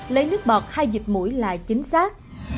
lấy nước bọt hai dịch mũi là chính xác